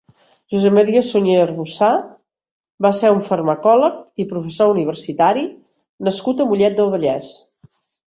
Josep Maria Suñé Arbussá va ser un farmacòleg i professor universitari nascut a Mollet del Vallès.